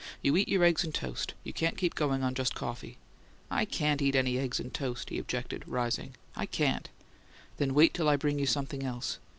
You eat your eggs and toast; you can't keep going on just coffee." "I can't eat any eggs and toast," he objected, rising. "I can't." "Then wait till I can bring you something else."